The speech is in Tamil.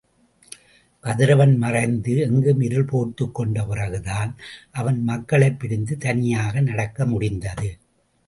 கதிரவன் மறைந்து எங்கும் இருள் போர்த்துக் கொண்ட பிறகுதான் அவன் மக்களைப் பிரிந்து தனியாக நடக்க முடிந்தது.